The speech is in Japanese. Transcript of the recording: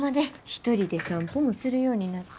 １人で散歩もするようになって。